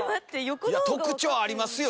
特徴ありますよ